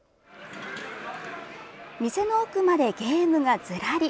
店の奥までゲームがずらり。